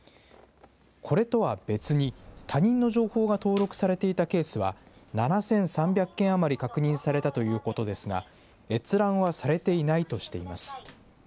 これとは別に、他人の情報が登録されていたケースは、７３００件余り確認されたということですが、閲覧はされていないとしています。